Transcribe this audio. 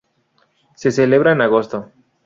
Se celebra en agosto.